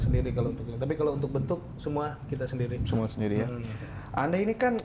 sendiri kalau untuk ini tapi kalau untuk bentuk semua kita sendiri semua sendiri ya anda ini kan